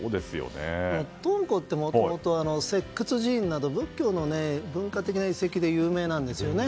敦煌ってもともと石窟寺院など仏教の文化的な遺跡で有名なんですよね。